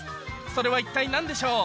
それは一体何でしょう？